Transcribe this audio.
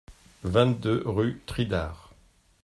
vingt-deux rue Tridard